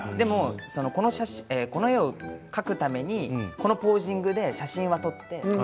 でも、この絵を描くためにこのポージングで写真を撮って。